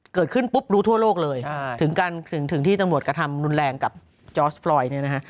เกิดขึ้นปุ๊บรู้ทั่วโลกเลยถึงการถึงที่ตำรวจกระทำรุนแรงกับจอร์สปลอยเนี่ยนะฮะ